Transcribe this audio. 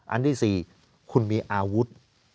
อันที่๔คุณมีอาวุธ